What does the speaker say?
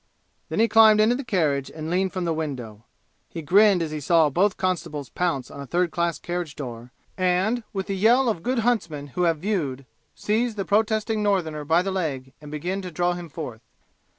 Then he climbed into the carriage and leaned from the window. He grinned as he saw both constables pounce on a third class carriage door and, with the yell of good huntsmen who have viewed, seize the protesting Northerner by the leg and begin to drag him forth.